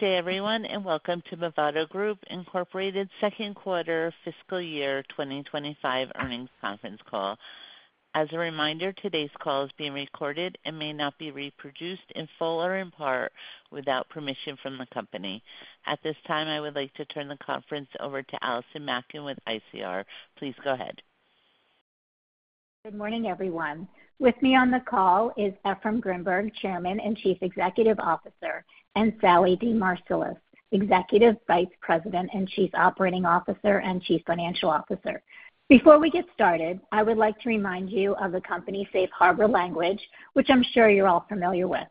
Good day, everyone, and welcome to Movado Group, Incorporated, second quarter fiscal year 2025 earnings conference call. As a reminder, today's call is being recorded and may not be reproduced in full or in part without permission from the company. At this time, I would like to turn the conference over to Allison Malkin with ICR. Please go ahead. Good morning, everyone. With me on the call is Efraim Grinberg, Chairman and Chief Executive Officer, and Sallie DeMarsilis, Executive Vice President and Chief Operating Officer and Chief Financial Officer. Before we get started, I would like to remind you of the company's safe harbor language, which I'm sure you're all familiar with.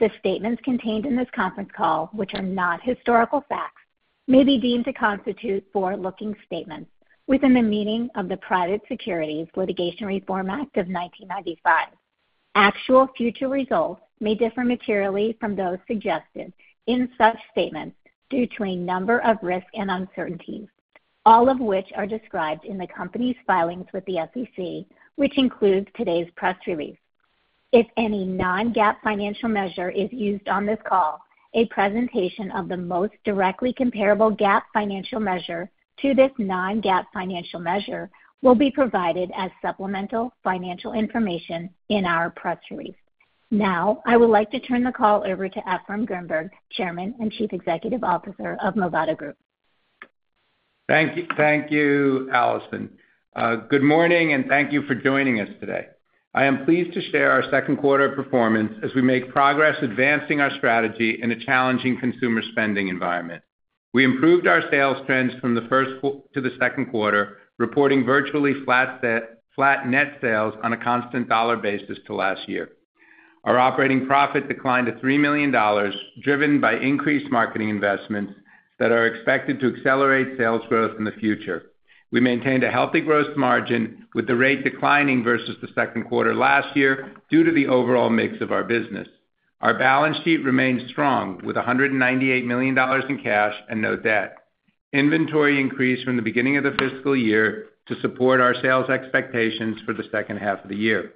The statements contained in this conference call, which are not historical facts, may be deemed to constitute forward-looking statements within the meaning of the Private Securities Litigation Reform Act of 1995. Actual future results may differ materially from those suggested in such statements due to a number of risks and uncertainties, all of which are described in the company's filings with the SEC, which includes today's press release. If any non-GAAP financial measure is used on this call, a presentation of the most directly comparable GAAP financial measure to this non-GAAP financial measure will be provided as supplemental financial information in our press release. Now, I would like to turn the call over to Efraim Grinberg, Chairman and Chief Executive Officer of Movado Group. Thank you, thank you, Allison. Good morning, and thank you for joining us today. I am pleased to share our second quarter performance as we make progress advancing our strategy in a challenging consumer spending environment. We improved our sales trends from the first quarter to the second quarter, reporting virtually flat net sales on a constant dollar basis to last year. Our operating profit declined to $3 million, driven by increased marketing investments that are expected to accelerate sales growth in the future. We maintained a healthy gross margin, with the rate declining versus the second quarter last year due to the overall mix of our business. Our balance sheet remains strong, with $198 million in cash and no debt. Inventory increased from the beginning of the fiscal year to support our sales expectations for the second half of the year.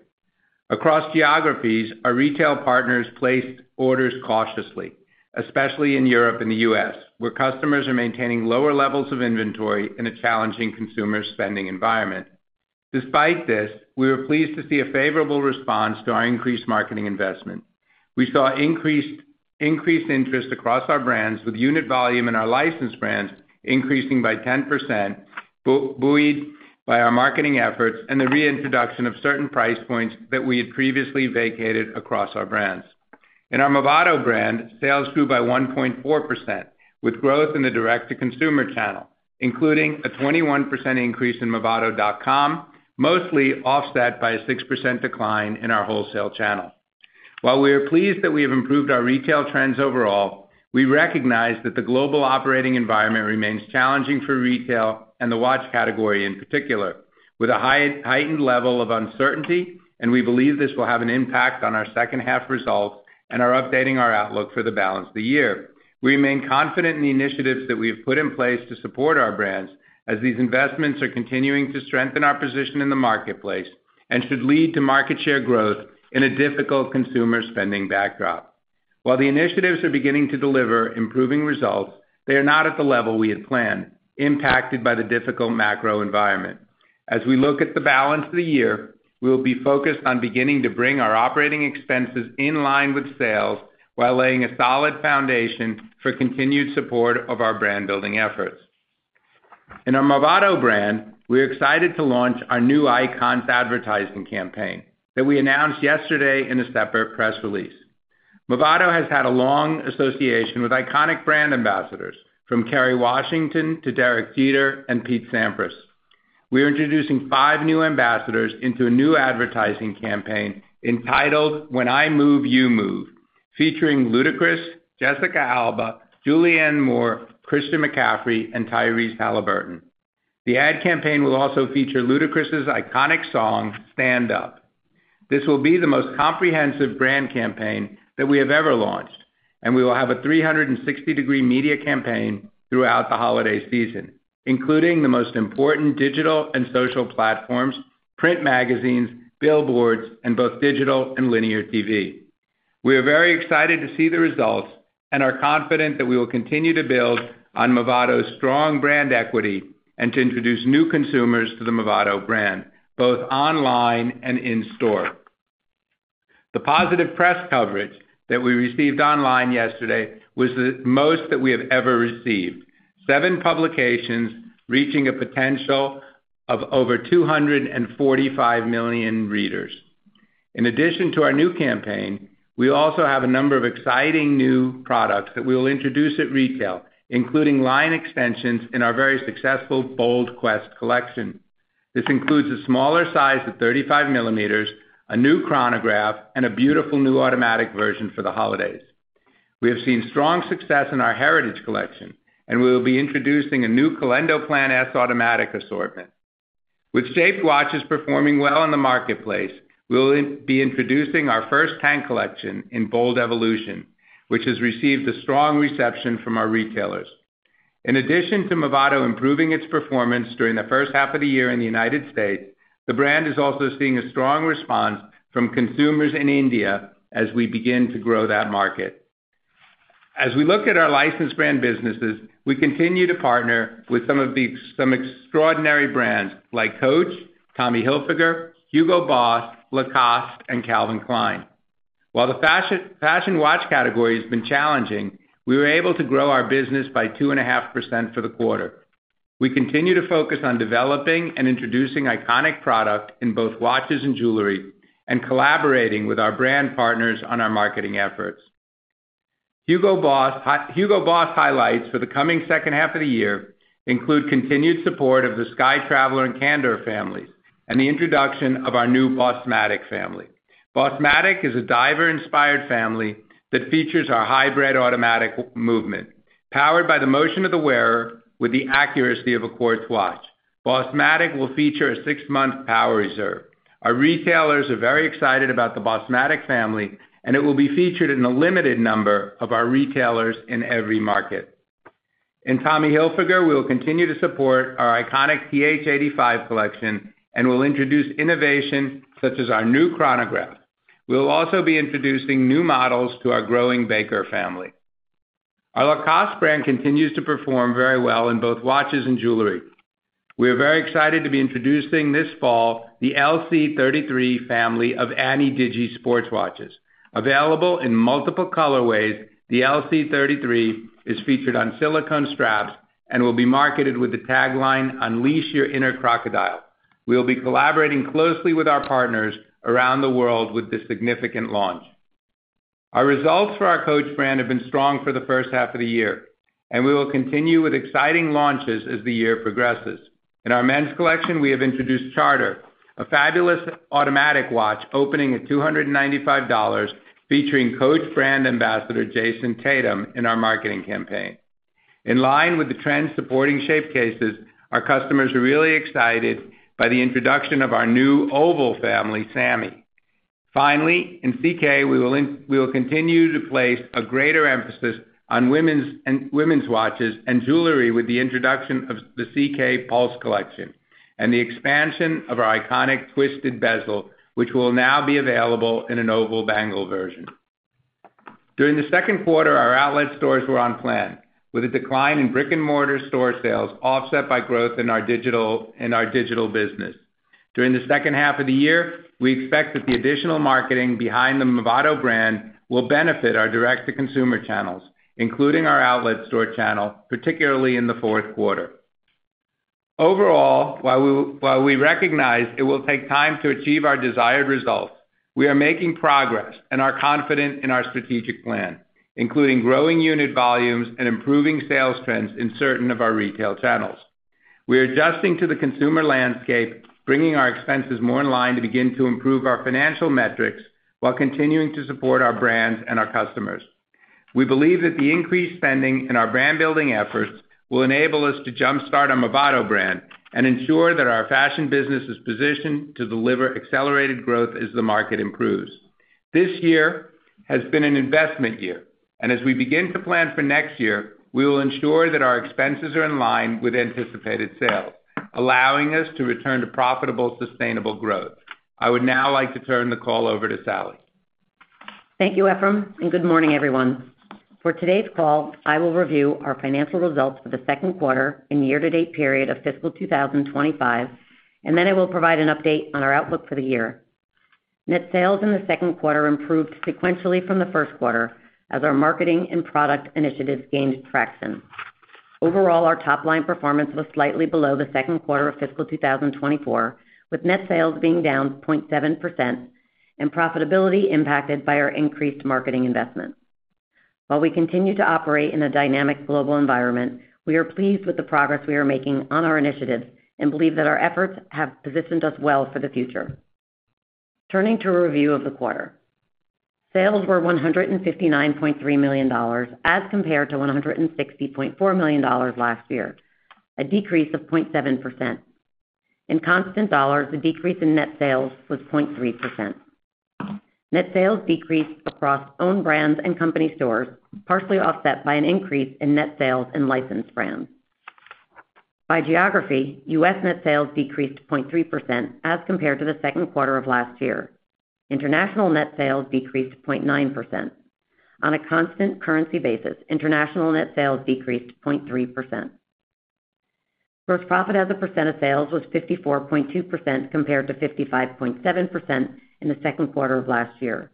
Across geographies, our retail partners placed orders cautiously, especially in Europe and the U.S., where customers are maintaining lower levels of inventory in a challenging consumer spending environment. Despite this, we were pleased to see a favorable response to our increased marketing investment. We saw increased interest across our brands, with unit volume in our licensed brands increasing by 10%, buoyed by our marketing efforts and the reintroduction of certain price points that we had previously vacated across our brands. In our Movado brand, sales grew by 1.4%, with growth in the direct-to-consumer channel, including a 21% increase in movado.com, mostly offset by a 6% decline in our wholesale channel. While we are pleased that we have improved our retail trends overall, we recognize that the global operating environment remains challenging for retail and the watch category in particular, with a heightened level of uncertainty, and we believe this will have an impact on our second half results and are updating our outlook for the balance of the year. We remain confident in the initiatives that we have put in place to support our brands, as these investments are continuing to strengthen our position in the marketplace and should lead to market share growth in a difficult consumer spending backdrop. While the initiatives are beginning to deliver improving results, they are not at the level we had planned, impacted by the difficult macro environment. As we look at the balance of the year, we will be focused on beginning to bring our operating expenses in line with sales while laying a solid foundation for continued support of our brand-building efforts. In our Movado brand, we are excited to launch our new Icons advertising campaign that we announced yesterday in a separate press release. Movado has had a long association with iconic brand ambassadors, from Kerry Washington to Derek Jeter and Pete Sampras. We are introducing five new ambassadors into a new advertising campaign entitled "When I Move, You Move," featuring Ludacris, Jessica Alba, Julianne Moore, Christian McCaffrey, and Tyrese Haliburton. The ad campaign will also feature Ludacris's iconic song, Stand Up. This will be the most comprehensive brand campaign that we have ever launched, and we will have a 360-degree media campaign throughout the holiday season, including the most important digital and social platforms, print magazines, billboards, and both digital and linear TV. We are very excited to see the results and are confident that we will continue to build on Movado's strong brand equity and to introduce new consumers to the Movado brand, both online and in store. The positive press coverage that we received online yesterday was the most that we have ever received. Seven publications reaching a potential of over 245 million readers. In addition to our new campaign, we also have a number of exciting new products that we will introduce at retail, including line extensions in our very successful Bold Quest collection. This includes a smaller size of 35 millimeters, a new chronograph, and a beautiful new automatic version for the holidays. We have seen strong success in our Heritage collection, and we will be introducing a new Calendoplan S automatic assortment. With shaped watches performing well in the marketplace, we will be introducing our first tank collection in Bold Evolution, which has received a strong reception from our retailers. In addition to Movado improving its performance during the first half of the year in the United States, the brand is also seeing a strong response from consumers in India as we begin to grow that market. As we look at our licensed brand businesses, we continue to partner with some of the some extraordinary brands like Coach, Tommy Hilfiger, Hugo Boss, Lacoste, and Calvin Klein. While the fashion watch category has been challenging, we were able to grow our business by 2.5% for the quarter. We continue to focus on developing and introducing iconic product in both watches and jewelry, and collaborating with our brand partners on our marketing efforts. Hugo Boss highlights for the coming second half of the year include continued support of the Sky Traveller and Candor families, and the introduction of our new Bossmatic family. Bossmatic is a diver-inspired family that features our hybrid automatic movement, powered by the motion of the wearer with the accuracy of a quartz watch. Bossmatic will feature a six-month power reserve. Our retailers are very excited about the Bossmatic family, and it will be featured in a limited number of our retailers in every market. In Tommy Hilfiger, we will continue to support our iconic TH85 collection, and we'll introduce innovation such as our new chronograph. We will also be introducing new models to our growing Baker family. Our Lacoste brand continues to perform very well in both watches and jewelry. We are very excited to be introducing this fall, the LC33 family of Ana-Digi sports watches. Available in multiple colorways, the LC33 is featured on silicone straps and will be marketed with the tagline, "Unleash your inner crocodile." We will be collaborating closely with our partners around the world with this significant launch. Our results for our Coach brand have been strong for the first half of the year, and we will continue with exciting launches as the year progresses. In our men's collection, we have introduced Charter, a fabulous automatic watch opening at $295, featuring Coach brand ambassador Jayson Tatum in our marketing campaign. In line with the trend supporting shape cases, our customers are really excited by the introduction of our new Oval family, Sammy. Finally, in CK, we will continue to place a greater emphasis on women's watches and jewelry with the introduction of the CK Pulse collection, and the expansion of our iconic Twisted Bezel, which will now be available in an oval bangle version. During the second quarter, our outlet stores were on plan, with a decline in brick-and-mortar store sales offset by growth in our digital business. During the second half of the year, we expect that the additional marketing behind the Movado brand will benefit our direct-to-consumer channels, including our outlet store channel, particularly in the fourth quarter. Overall, while we recognize it will take time to achieve our desired results, we are making progress and are confident in our strategic plan, including growing unit volumes and improving sales trends in certain of our retail channels. We are adjusting to the consumer landscape, bringing our expenses more in line to begin to improve our financial metrics, while continuing to support our brands and our customers. We believe that the increased spending in our brand-building efforts will enable us to jump-start our Movado brand, and ensure that our fashion business is positioned to deliver accelerated growth as the market improves. This year has been an investment year, and as we begin to plan for next year, we will ensure that our expenses are in line with anticipated sales, allowing us to return to profitable, sustainable growth. I would now like to turn the call over to Sallie. Thank you, Efraim, and good morning, everyone. For today's call, I will review our financial results for the second quarter and year-to-date period of fiscal 2025, and then I will provide an update on our outlook for the year. Net sales in the second quarter improved sequentially from the first quarter as our marketing and product initiatives gained traction. Overall, our top-line performance was slightly below the second quarter of fiscal 2024, with net sales being down 0.7%, and profitability impacted by our increased marketing investments. While we continue to operate in a dynamic global environment, we are pleased with the progress we are making on our initiatives and believe that our efforts have positioned us well for the future. Turning to a review of the quarter. Sales were $159.3 million, as compared to $160.4 million last year, a decrease of 0.7%. In constant dollars, the decrease in net sales was 0.3%. Net sales decreased across own brands and company stores, partially offset by an increase in net sales and licensed brands. By geography, U.S. net sales decreased 0.3% as compared to the second quarter of last year. International net sales decreased 0.9%. On a constant currency basis, international net sales decreased 0.3%. Gross profit as a percent of sales was 54.2%, compared to 55.7% in the second quarter of last year.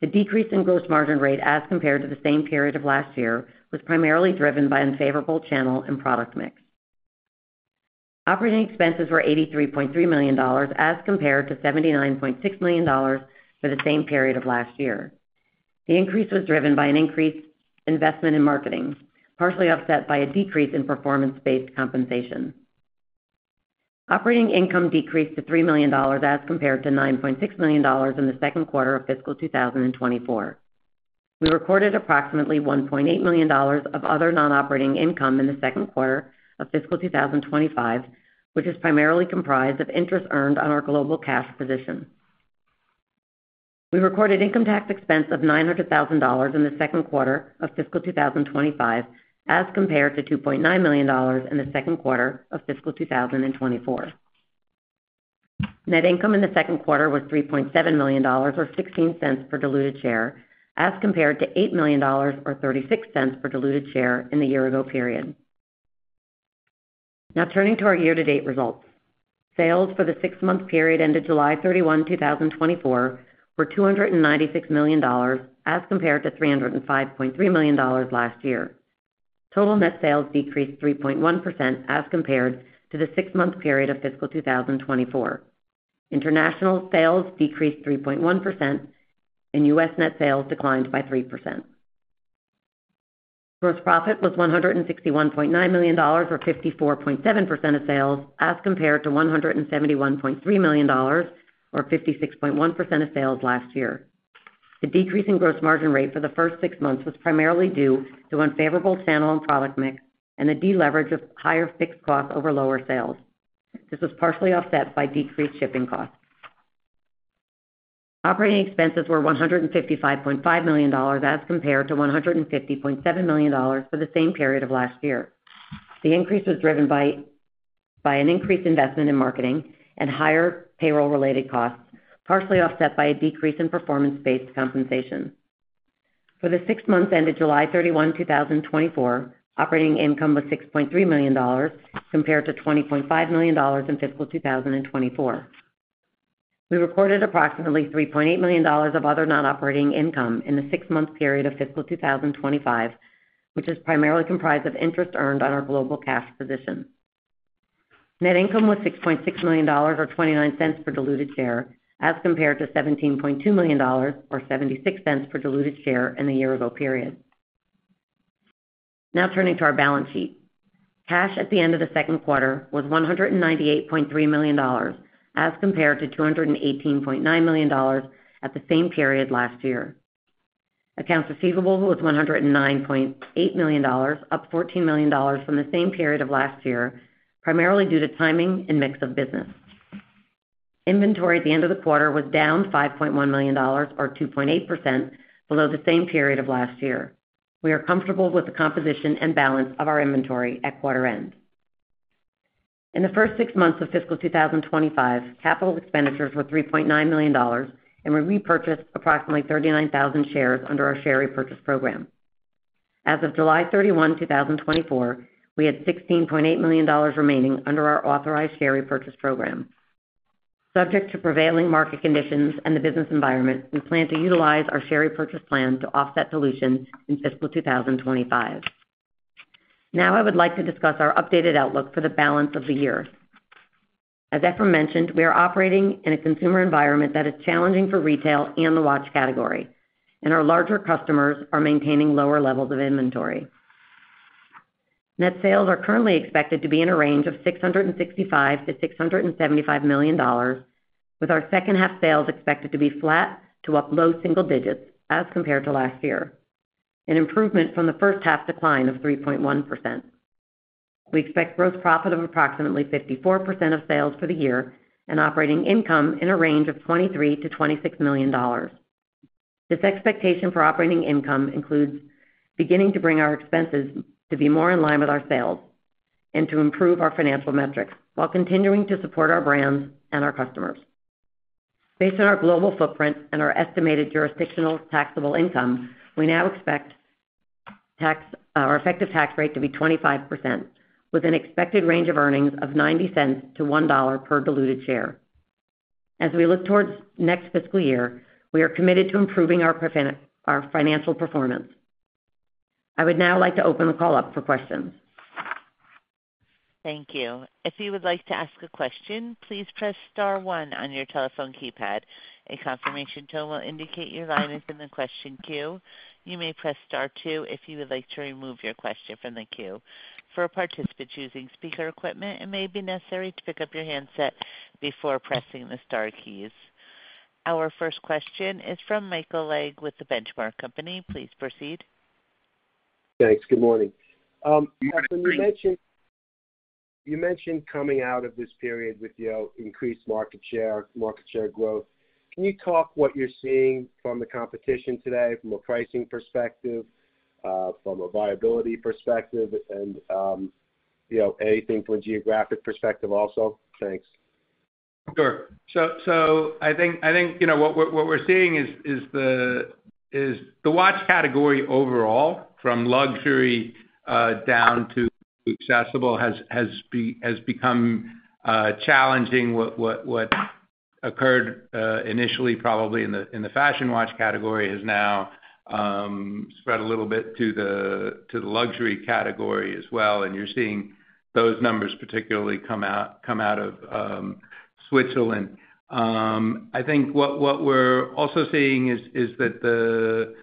The decrease in gross margin rate, as compared to the same period of last year, was primarily driven by unfavorable channel and product mix. Operating expenses were $83.3 million, as compared to $79.6 million for the same period of last year. The increase was driven by an increased investment in marketing, partially offset by a decrease in performance-based compensation. Operating income decreased to $3 million, as compared to $9.6 million in the second quarter of fiscal 2024. We recorded approximately $1.8 million of other non-operating income in the second quarter of fiscal 2025, which is primarily comprised of interest earned on our global cash position. We recorded income tax expense of $900,000 in the second quarter of fiscal 2025, as compared to $2.9 million in the second quarter of fiscal 2024. Net income in the second quarter was $3.7 million, or $0.16 per diluted share, as compared to $8 million, or $0.36 per diluted share in the year ago period. Now turning to our year-to-date results. Sales for the six-month period ended July 31, 2024, were $296 million, as compared to $305.3 million last year. Total net sales decreased 3.1% as compared to the six-month period of fiscal 2024. International sales decreased 3.1%, and U.S. net sales declined by 3%. Gross profit was $161.9 million or 54.7% of sales, as compared to $171.3 million, or 56.1% of sales last year. The decrease in gross margin rate for the first six months was primarily due to unfavorable channel and product mix, and the deleverage of higher fixed costs over lower sales. This was partially offset by decreased shipping costs. Operating expenses were $155.5 million, as compared to $150.7 million for the same period of last year. The increase was driven by an increased investment in marketing and higher payroll-related costs, partially offset by a decrease in performance-based compensation. For the six months ended July 31, 2024, operating income was $6.3 million, compared to $20.5 million in fiscal 2024. We recorded approximately $3.8 million of other non-operating income in the six-month period of fiscal 2025, which is primarily comprised of interest earned on our global cash position. Net income was $6.6 million, or $0.29 per diluted share, as compared to $17.2 million, or $0.76 per diluted share in the year ago period. Now turning to our balance sheet. Cash at the end of the second quarter was $198.3 million, as compared to $218.9 million at the same period last year. Accounts receivable was $109.8 million, up $14 million from the same period of last year, primarily due to timing and mix of business. Inventory at the end of the quarter was down $5.1 million, or 2.8% below the same period of last year. We are comfortable with the composition and balance of our inventory at quarter end. In the first six months of fiscal 2025, capital expenditures were $3.9 million, and we repurchased approximately 39,000 shares under our share repurchase program. As of July 31, 2024, we had $16.8 million remaining under our authorized share repurchase program. Subject to prevailing market conditions and the business environment, we plan to utilize our share repurchase plan to offset dilutions in fiscal 2025. Now, I would like to discuss our updated outlook for the balance of the year. As Efraim mentioned, we are operating in a consumer environment that is challenging for retail and the watch category, and our larger customers are maintaining lower levels of inventory. Net sales are currently expected to be in a range of $665-$675 million, with our second half sales expected to be flat to up low single digits as compared to last year, an improvement from the first half decline of 3.1%. We expect gross profit of approximately 54% of sales for the year and operating income in a range of $23-$26 million. This expectation for operating income includes beginning to bring our expenses to be more in line with our sales and to improve our financial metrics, while continuing to support our brands and our customers. Based on our global footprint and our estimated jurisdictional taxable income, we now expect our effective tax rate to be 25%, with an expected range of earnings of $0.90-$1.00 per diluted share. As we look towards next fiscal year, we are committed to improving our financial performance. I would now like to open the call up for questions. Thank you. If you would like to ask a question, please press star one on your telephone keypad. A confirmation tone will indicate your line is in the question queue. You may press star two if you would like to remove your question from the queue. For participants using speaker equipment, it may be necessary to pick up your handset before pressing the star keys. Our first question is from Michael Legg with The Benchmark Company. Please proceed. Thanks. Good morning. When you mentioned coming out of this period with, you know, increased market share, market share growth. Can you talk what you're seeing from the competition today from a pricing perspective, from a viability perspective and, you know, anything from a geographic perspective also? Thanks. Sure. So I think, you know, what we're seeing is the watch category overall, from luxury down to accessible, has become challenging. What occurred initially, probably in the fashion watch category, is now spread a little bit to the luxury category as well, and you're seeing those numbers particularly come out of Switzerland. I think what we're also seeing is that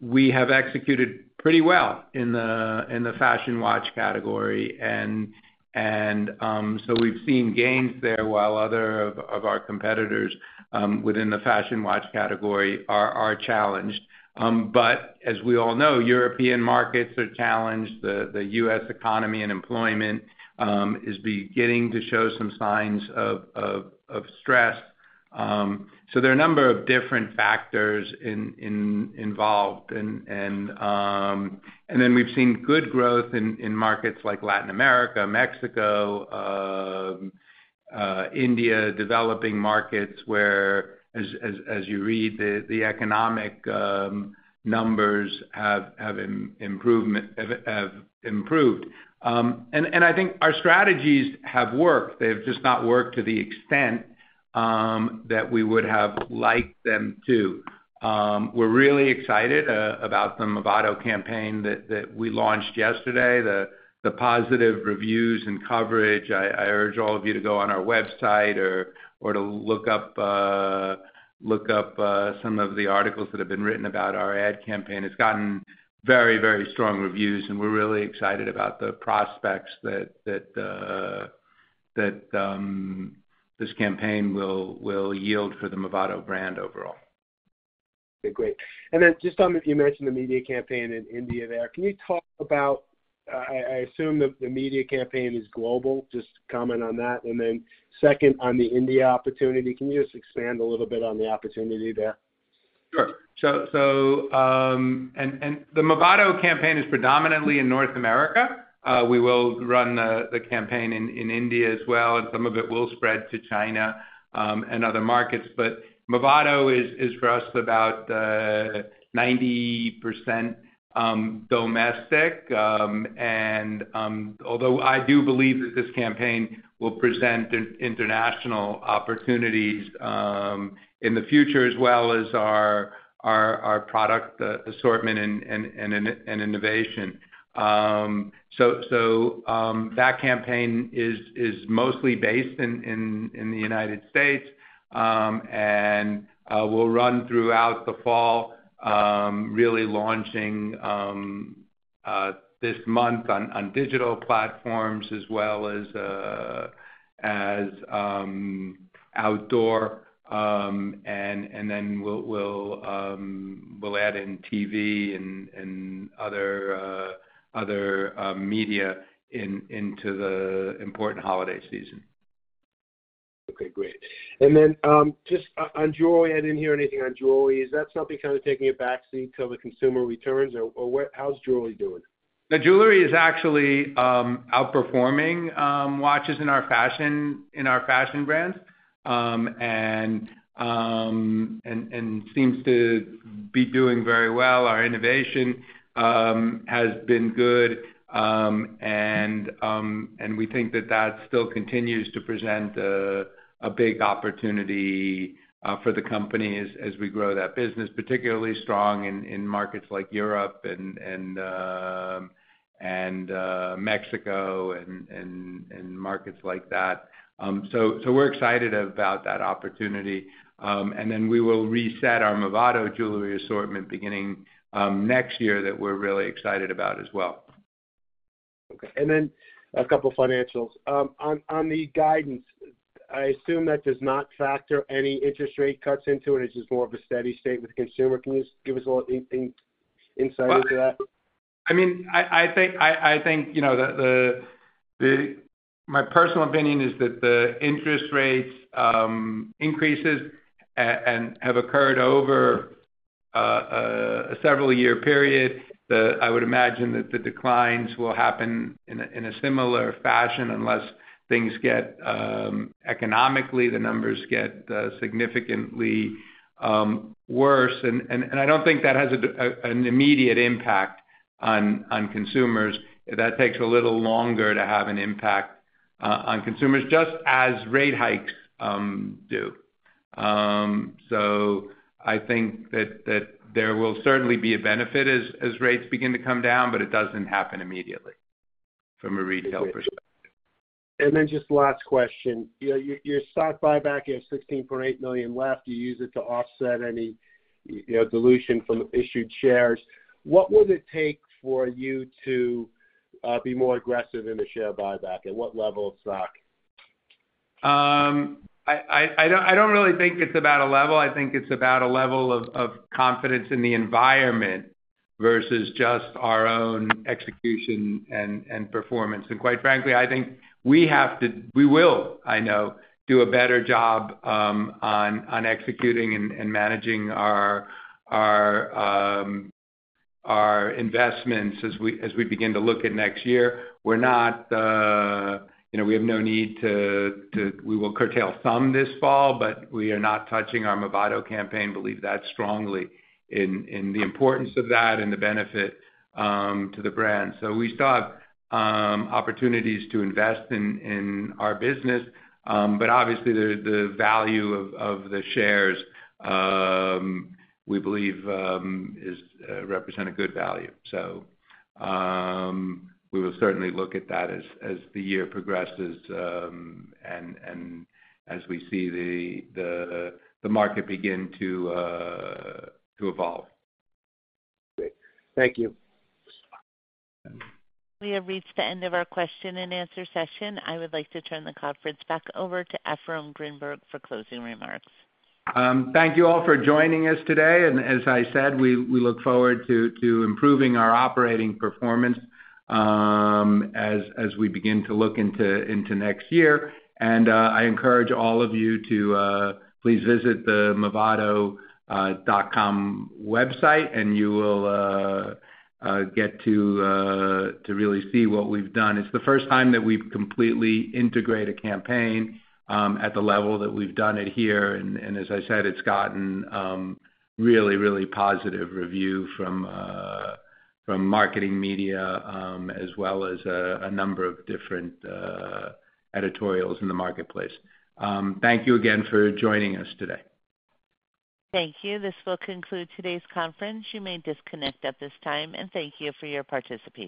we have executed pretty well in the fashion watch category. And so we've seen gains there, while other of our competitors within the fashion watch category are challenged. But as we all know, European markets are challenged. The U.S. economy and employment is beginning to show some signs of stress.... So there are a number of different factors involved. And then we've seen good growth in markets like Latin America, Mexico, India, developing markets, where, as you read, the economic numbers have improved. And I think our strategies have worked. They've just not worked to the extent that we would have liked them to. We're really excited about the Movado campaign that we launched yesterday, the positive reviews and coverage. I urge all of you to go on our website or to look up some of the articles that have been written about our ad campaign. It's gotten very, very strong reviews, and we're really excited about the prospects that this campaign will yield for the Movado brand overall. Okay, great. And then just on, you mentioned the media campaign in India there. Can you talk about... I assume that the media campaign is global. Just comment on that, and then second, on the India opportunity, can you just expand a little bit on the opportunity there? Sure. The Movado campaign is predominantly in North America. We will run the campaign in India as well, and some of it will spread to China and other markets, but Movado is for us about 90% domestic. Although I do believe that this campaign will present international opportunities in the future, as well as our product assortment and innovation. That campaign is mostly based in the United States and will run throughout the fall, really launching this month on digital platforms as well as outdoor, and then we'll add in TV and other media into the important holiday season. Okay, great. And then, just on jewelry, I didn't hear anything on jewelry. Is that something kind of taking a back seat until the consumer returns, or what? How's jewelry doing? The jewelry is actually outperforming watches in our fashion, in our fashion brands, and seems to be doing very well. Our innovation has been good, and we think that that still continues to present a big opportunity for the company as we grow that business, particularly strong in markets like Europe and Mexico and markets like that. We're excited about that opportunity, and then we will reset our Movado jewelry assortment beginning next year, that we're really excited about as well. Okay, and then a couple financials. On the guidance, I assume that does not factor any interest rate cuts into it. It's just more of a steady state with the consumer. Can you just give us a little insight into that? I mean, I think, you know, my personal opinion is that the interest rates increases that have occurred over a several-year period, that I would imagine that the declines will happen in a similar fashion, unless things get economically the numbers get significantly worse. And I don't think that has an immediate impact on consumers. That takes a little longer to have an impact on consumers, just as rate hikes do. So I think that there will certainly be a benefit as rates begin to come down, but it doesn't happen immediately from a retail perspective. Then just last question. Your stock buyback, you have $16.8 million left. You use it to offset any dilution from issued shares. What would it take for you to be more aggressive in the share buyback? At what level of stock? I don't really think it's about a level. I think it's about a level of confidence in the environment versus just our own execution and performance. And quite frankly, I think we have to. We will, I know, do a better job on executing and managing our investments as we begin to look at next year. We're not. We have no need to. We will curtail some this fall, but we are not touching our Movado campaign. Believe that strongly in the importance of that and the benefit to the brand. So we still have opportunities to invest in our business, but obviously, the value of the shares we believe is represent a good value. We will certainly look at that as the year progresses, and as we see the market begin to evolve. Great. Thank you. We have reached the end of our question-and-answer session. I would like to turn the conference back over to Efraim Grinberg for closing remarks. Thank you all for joining us today, and as I said, we look forward to improving our operating performance as we begin to look into next year. I encourage all of you to please visit the Movado.com website, and you will get to really see what we've done. It's the first time that we've completely integrated a campaign at the level that we've done it here, and as I said, it's gotten really positive review from marketing media as well as a number of different editorials in the marketplace. Thank you again for joining us today. Thank you. This will conclude today's conference. You may disconnect at this time, and thank you for your participation.